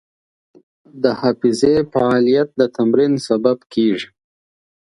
د حافظې فعالیت د تمرین سبب کېږي.